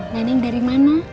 neneng dari mana